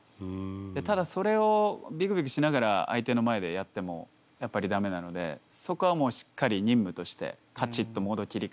ただそれをビクビクしながら相手の前でやってもやっぱり駄目なのでそこはもうしっかり任務としてカチッとモード切り替えて。